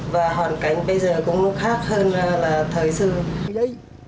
và hoàn cảnh bây giờ cũng khác hơn là thời xưa